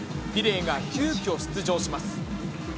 ピレーが急きょ出場します。